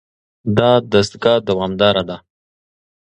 دا دستګاه دوامداره ده.